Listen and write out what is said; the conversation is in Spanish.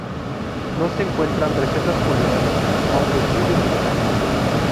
No se encuentran recetas culinarias, aunque sí de medicamentos.